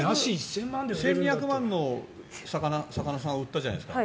１２００万の魚のやつを売ったじゃないですか。